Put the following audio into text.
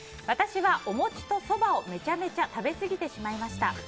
私はお餅とそばをめちゃめちゃ食べすぎてしまいました。